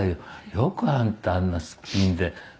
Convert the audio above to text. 「よくあんたあんなスッピンでねっ」